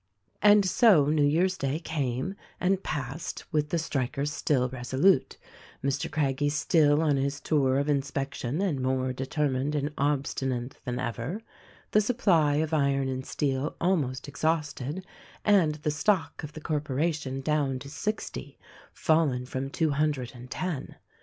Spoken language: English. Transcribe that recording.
And so New Year's day came and passed with the strik ers still resolute, Mr. Craggie still on his tour of inspection and more determined and obstinate than ever, the supply of iron and steel almost exhausted, and the stock of the corporation down to sixty — fallen from two hundred and ten.